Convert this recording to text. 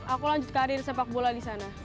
aku lanjut karir sepak bola di sana